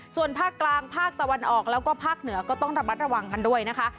ส่วนภาคกลางภาคตะวันออกแล้วก็ภาคเหนือก็ต้องระมัดระวังกันด้วยนะคะ